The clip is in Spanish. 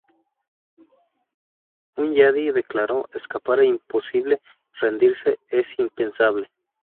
Hunyadi declaró: “Escapar es imposible, rendirse es impensable.